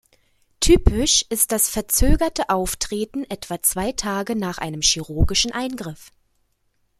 Typisch ist das verzögerte Auftreten etwa zwei Tage nach einem chirurgischen Eingriff.